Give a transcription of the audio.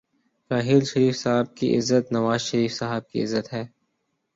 راحیل شریف صاحب کی عزت نوازشریف صاحب کی عزت ہے۔